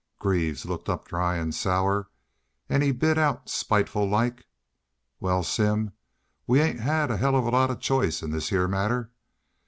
Greaves looked up dry an' sour an' he bit out spiteful like: 'Wal, Simm, we ain't hed a hell of a lot of choice in this heah matter.